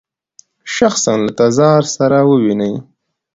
شخصاً له تزار سره وویني.